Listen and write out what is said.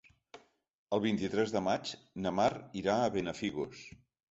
El vint-i-tres de maig na Mar irà a Benafigos.